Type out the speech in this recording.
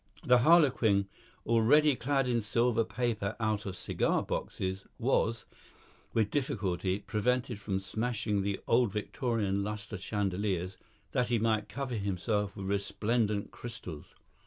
The harlequin, already clad in silver paper out of cigar boxes, was, with difficulty, prevented from smashing the old Victorian lustre chandeliers, that he might cover himself with resplendent crystals.